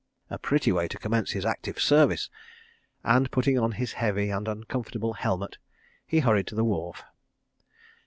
A pretty way to commence his Active Service!—and, putting on his heavy and uncomfortable helmet, he hurried to the wharf.